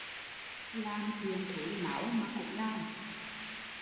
Làm chuyện thúi máu mà cũng làm